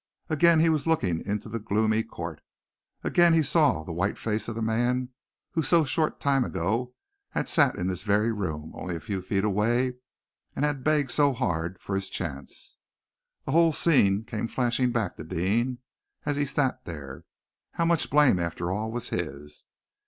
Again he was looking into the gloomy court. Again he saw the white face of the man who so short a time ago had sat in this very room, only a few feet away, and had begged so hard for his chance! The whole scene came flashing back to Deane as he sat there. How much of blame, after all, was his?